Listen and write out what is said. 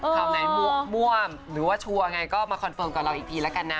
ข่าวไหนม่วมหรือว่าชัวร์ไงก็มาคอนเฟิร์มกับเราอีกทีแล้วกันนะ